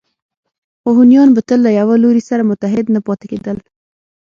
خو هونیان به تل له یوه لوري سره متحد نه پاتې کېدل